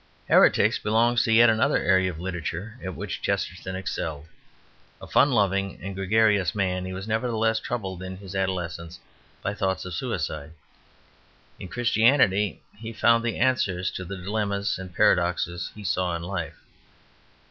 Heretics belongs to yet another area of literature at which Chesterton excelled. A fun loving and gregarious man, he was nevertheless troubled in his adolescence by thoughts of suicide. In Christianity he found the answers to the dilemmas and paradoxes he saw in life.